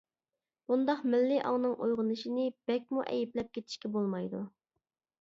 بۇنداق مىللىي ئاڭنىڭ ئويغىنىشىنى بەكمۇ ئەيىبلەپ كېتىشكە بولمايدۇ.